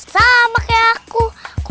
sama kayak aku